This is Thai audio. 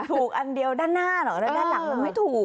อันเดียวด้านหน้าเหรอแล้วด้านหลังมันไม่ถูก